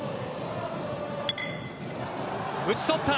打ち取った。